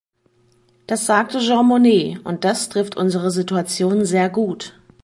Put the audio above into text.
Das sagte Jean Monnet, und das trifft unsere Situation sehr gut.